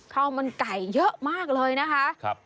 ข้าวมันไก่เยอะมากเลยนะคะ